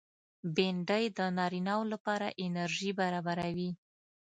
بېنډۍ د نارینه و لپاره انرژي برابروي